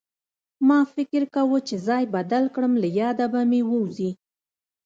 ما فکر کوه چې ځای بدل کړم له ياده به مې ووځي